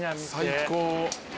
最高。